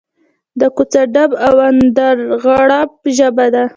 د کوڅه ډب او اندرغړب ژبه ده.